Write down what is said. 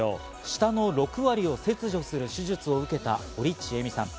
舌の６割を切除する手術を受けた堀ちえみさん。